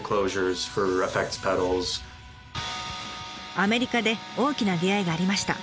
アメリカで大きな出会いがありました。